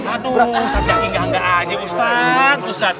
aduh ustaz jaki gangga aja ustaz